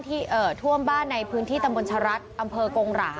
เอ่อท่วมบ้านในพื้นที่ตำบลชะรัฐอำเภอกงหรา